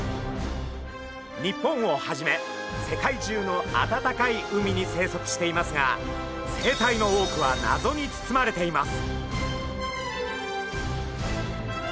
日本をはじめ世界中の暖かい海に生息していますが生態の多くは謎につつまれています。